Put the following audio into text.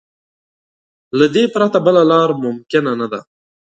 له دې پرته بله لار ممکن نه ده.